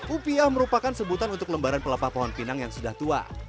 upiah merupakan sebutan untuk lembaran pelepah pohon pinang yang sudah tua